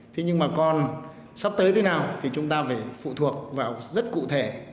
thế nhưng mà còn sắp tới thế nào thì chúng ta phải phụ thuộc vào rất cụ thể